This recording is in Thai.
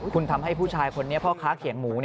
คุณทำให้ผู้ชายคนนี้พ่อค้าเขียงหมู